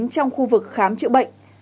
trong khu vực khám chữa bệnh